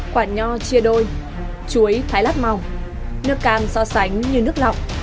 quả nho chia đôi chuối thái lát mỏng nước cam so sánh như nước lọc